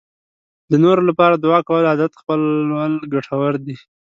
د نورو لپاره د دعا کولو عادت خپلول ګټور دی.